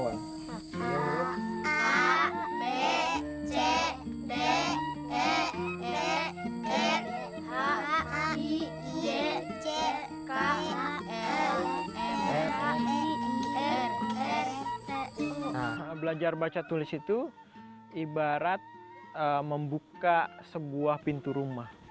itu ibarat membuka sebuah pintu rumah